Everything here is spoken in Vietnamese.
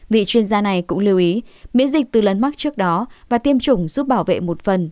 vị chuyên gia này cũng lưu ý miễn dịch từ lần mắc trước đó và tiêm chủng giúp bảo vệ một phần